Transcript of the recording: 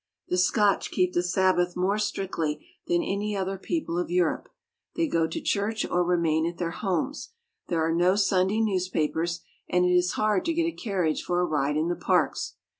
The Scotch keep the Sab bath more strictly than any other people of Europe. They go to church or remain at their homes. There are no Sunday newspapers, and it is hard to get a carriage for a ride in the parks.